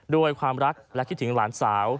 ด้วยความรักและคิดถึงหลานสาว